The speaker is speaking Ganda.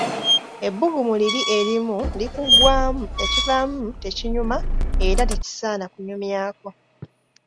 Ebbugumu liri erimu likuggwaamu ekivaamu tekinyuma era tekisaana kunyumyako.